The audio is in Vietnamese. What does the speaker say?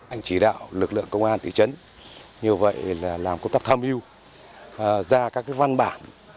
anh chỉ đạo lực lượng công an thị trấn như vậy là làm công tác tham mưu ra các văn bản